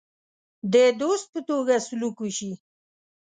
د دوست په توګه سلوک وشي.